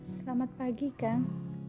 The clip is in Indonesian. selamat pagi kang